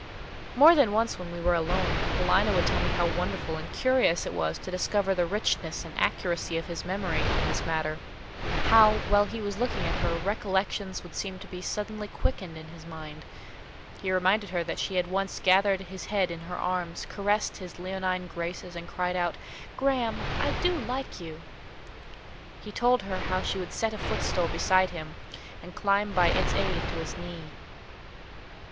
More than once when we were alone, Paulina would tell me how wonderful and curious it was to discover the richness and accuracy of his memory in this matter. How, while he was looking at her, recollections would seem to be suddenly quickened in his mind. He reminded her that she had once gathered his head in her arms, caressed his leonine graces, and cried out, "Graham, I do like you!" He told her how she would set a footstool beside him, and climb by its aid to his knee.